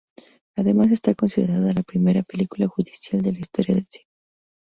Además está considerada la primera "película judicial" de la historia del cine.